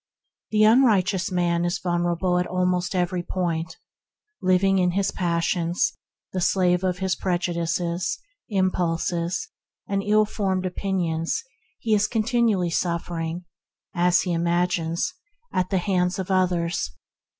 The unrighteous man is vulnerable at almost every point; living in his passions, the slave of prejudices, impulses, and ill formed opinions, he is continually suffering, as he imagines, at the hands of others.